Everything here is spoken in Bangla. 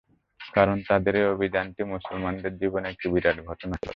কারণ তাদের এ অভিযানটি মুসলমানদের জীবনে একটি বিরাট ঘটনা ছিল।